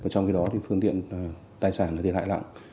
trong khi đó phương tiện tài sản thiệt hại lặng